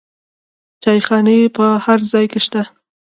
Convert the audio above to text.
چایخانې په هر ځای کې شته.